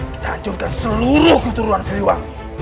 kita hancurkan seluruh keturunan siliwangi